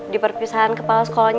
di perpisahan kepala sekolahnya